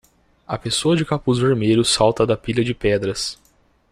A pessoa de capuz vermelho salta da pilha de pedras.